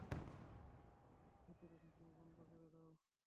ভেতরে ঢুকিয়ে বন্ধ করে দাও!